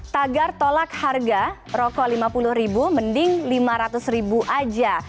tagar tolak harga rokok rp lima puluh mending rp lima ratus aja